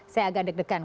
saya agak deg degan